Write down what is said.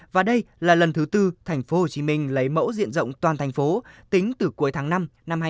và đây là lần thứ tư tp hcm lấy mẫu diện rộng toàn thành phố tính từ cuối tháng năm năm hai nghìn hai mươi